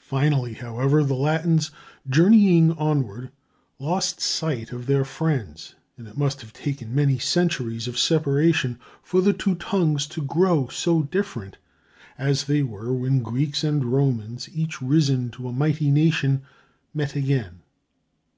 Finally, however, the Latins, journeying onward, lost sight of their friends, and it must have taken many centuries of separation for the two tongues to grow so different as they were when Greeks and Romans, each risen to a mighty nation, met again.